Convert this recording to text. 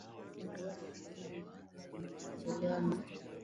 familia ya msichana wa miaka kumi anayesumbuliwa na